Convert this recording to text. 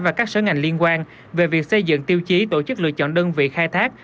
và các sở ngành liên quan về việc xây dựng tiêu chí tổ chức lựa chọn đơn vị khai thác